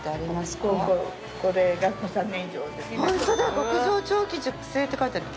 極上長期熟成って書いてある。